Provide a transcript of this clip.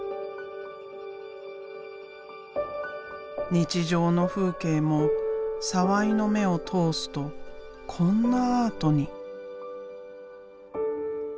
日常の風景も澤井の目を通すとこんなアートに。